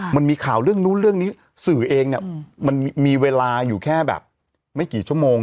มันมีข่าวเรื่องนู้นเรื่องนี้สื่อเองเนี่ยมันมีเวลาอยู่แค่แบบไม่กี่ชั่วโมง